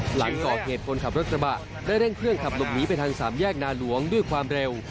หลังก่อเหตุคนขับรถกระบะได้เร่งเครื่องขับหลบหนีไปทางสามแยกนาหลวงด้วยความเร็ว